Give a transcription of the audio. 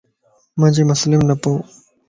مانجي مسليم نه پئو